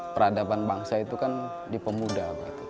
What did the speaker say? peradaban bangsa itu kan di pemuda